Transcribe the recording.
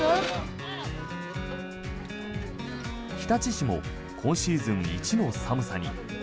日立市も今シーズン一の寒さに。